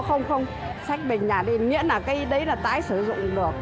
nói thẳng với gia đình nhà cô